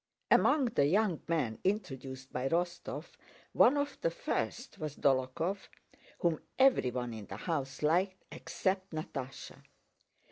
Among the young men introduced by Rostóv one of the first was Dólokhov, whom everyone in the house liked except Natásha.